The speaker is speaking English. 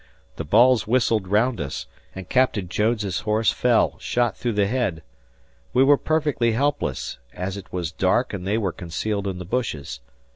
The balls whistled around us and Captain Jones' horse fell, shot through the head. We were perfectly helpless, as it was dark and they were concealed in the bushes.